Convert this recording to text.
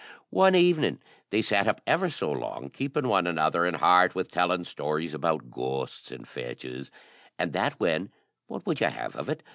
One evening they sat up ever so long, keeping one another in heart with telling stories about ghosts and fetches, and that when what would you have of it?